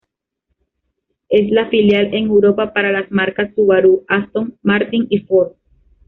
Es la filial en Europa para las marcas Subaru, Aston Martin y Ford.